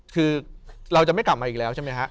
คือเราจะไม่กลับมาอีกแล้วใช่ไหมฮะ